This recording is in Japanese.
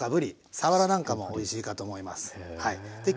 さわらなんかもおいしいかと思います。